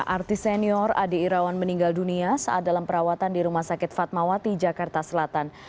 artis senior adi irawan meninggal dunia saat dalam perawatan di rumah sakit fatmawati jakarta selatan